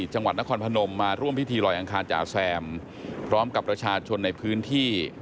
จังหวัดนครพนมมาร่วมพิธีลอยอังคารจ่าแซมพร้อมกับประชาชนในพื้นที่